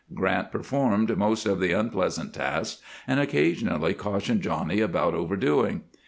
Grant performed most of the unpleasant tasks, and occasionally cautioned Johnny about overdoing.